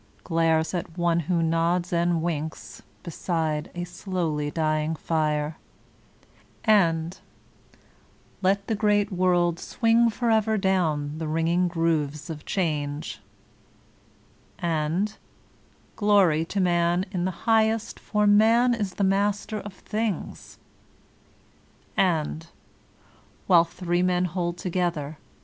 Glares at ^e who nods and winks beside a slowly dying fire.' and *'LeX the great World swing forever down the ringing grooves of Qbange/' and 148 VOLTAIRINE DE ClEYRE ''Glory to Uaa in the hi^est for Man is the Matter of nunga" and "While three men hold togedier.